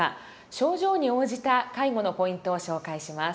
症状に応じた介護のポイントを紹介します。